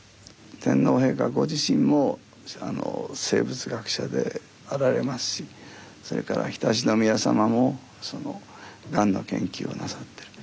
天皇陛下ご自身も生物学者であられますしそれから常陸宮さまもガンの研究をなさってる。